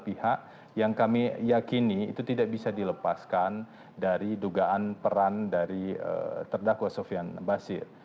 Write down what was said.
pihak yang kami yakini itu tidak bisa dilepaskan dari dugaan peran dari terdakwa sofian basir